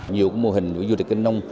nhiều mô hình du lịch kinh nông